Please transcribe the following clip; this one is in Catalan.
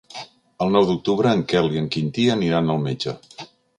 El nou d'octubre en Quel i en Quintí aniran al metge.